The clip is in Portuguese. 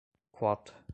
quota